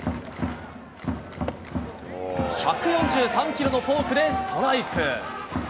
１４３キロのフォークでストライク。